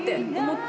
って